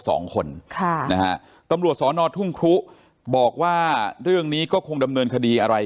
สองคนค่ะนะฮะตำรวจสอนอทุ่งครุบอกว่าเรื่องนี้ก็คงดำเนินคดีอะไร